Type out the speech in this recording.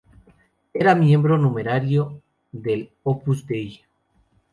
Era miembro numerario del Opus Dei.